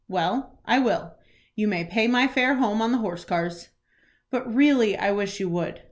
"Well, I will. You may pay my fare home on the horse cars." "But really I wish you would."